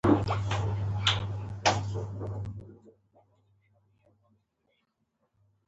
د نرمې ی د مخه توری زور غواړي.